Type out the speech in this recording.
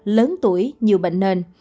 lớn tuổi nhiều bệnh nền